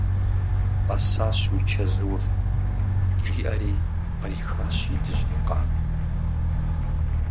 Къэсащ уи чэзур! – жиӏэри кърихащ и дыжьын къамэр.